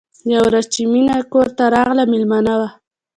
یوه ورځ چې مینه کور ته راغله مېلمانه وو